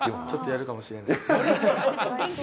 ちょっとやるかもしれないです。